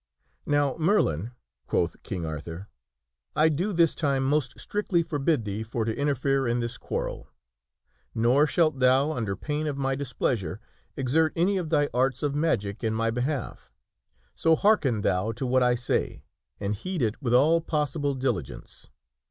" Now, Merlin/' quoth King Arthur, " I do this time most strictly forbid thee for to interfere in this quarrel. Nor shalt thou, under pain of my displeasure, exert any of thy arts of magic in my behalf. So hearken thoi to what I say, and heed it with all possible diligence."